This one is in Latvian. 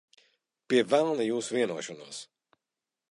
Pie velna jūsu vienošanos.